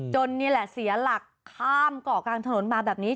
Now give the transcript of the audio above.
นี่แหละเสียหลักข้ามเกาะกลางถนนมาแบบนี้